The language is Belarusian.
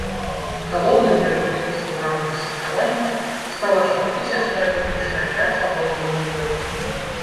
Галоўным мерапрыемствам у рамках святкавання стала шматтысячная публічная клятва новаму лідару.